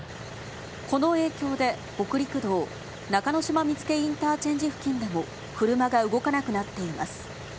この影響で北陸道中之島見附インター付近でも車が動かなくなっています。